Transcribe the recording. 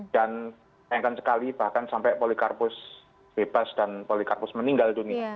dan sayangkan sekali bahkan sampai polikarpus bebas dan polikarpus meninggal dunia